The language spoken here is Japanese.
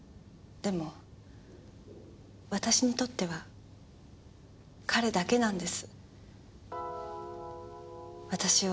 でも私にとっては彼だけだったんです。